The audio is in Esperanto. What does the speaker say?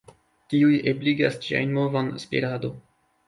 Tiuj ebligas ĝiajn movon, spirado.